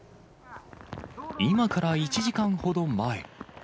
今から１時間ほど前。